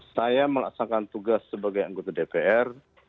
saya melaksanakan tugas sebagai anggota dpr